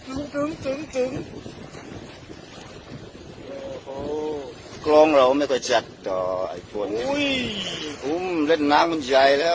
โอ้โหเกราะเราไม่ค่อยจัดอ่อไอ้ปวนอุ้ยอุ้ยเล่นน้ำมันใหญ่แล้ว